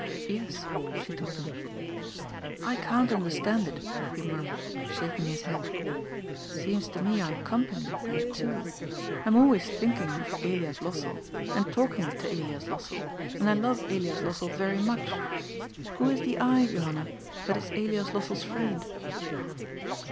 " Yes," she told him. '' I can't understand it," he murmured, shaking his head. " Seems to me I'm company, and two. I'm always thinking of Elias Lossell, and talking to Elias Lossell, and I love Elias Lossell yery much. Who is the I, Johanna, that is Elias Lossell's friend